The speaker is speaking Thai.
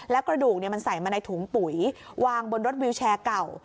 แล้วกระดูกมันใส่มาในถุงปุ๋ยวางบนรถวิวแชร์เก่า